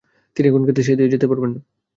তিনি এখন ক্ষেতে সেচ দিতে যেতে পারবেন না।